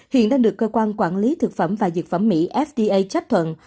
hiện đang được cơ quan quản lý thực phẩm và dược phẩm mỹ fda chấp thuận